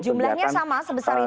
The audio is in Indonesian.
jumlahnya sama sebesar itu